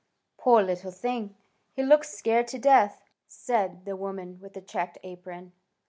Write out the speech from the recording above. "Poor little thing! He looks scared to death," said the woman with the checked apron.